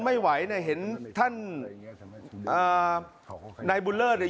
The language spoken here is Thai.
ไม่มีเจตนาจะทำร้ายหรอก